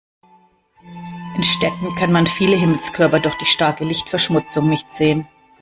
In Städten kann man viele Himmelskörper durch die starke Lichtverschmutzung nicht sehen.